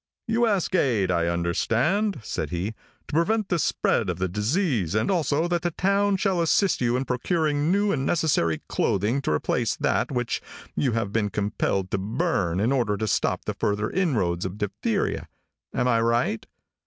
"You ask aid, I understand," said he, "to prevent the spread of the disease, and also that the town shall assist you in procuring new and necessary clothing to replace that which you have been compelled to burn in order to stop the further inroads of diphtheria. Am I right?"